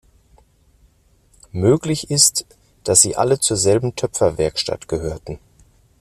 Möglich ist, dass sie alle zur selben Töpferwerkstatt gehörten.